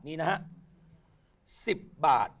นี่นะฮะ๑๐บาท